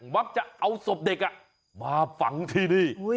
มักจะเอาศพเด็กมาฝังที่นี่